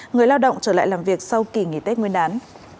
người lao động trở lại làm việc sau kỳ nghỉ tết nguyên đán